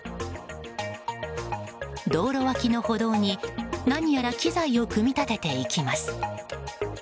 道路脇の歩道に何やら機材を組み立てていきます。